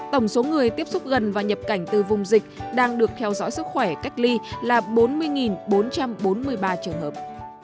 tổng số người tiếp xúc gần và nhập cảnh từ vùng dịch đang được theo dõi sức khỏe cách ly là bốn mươi bốn trăm bốn mươi ba trường hợp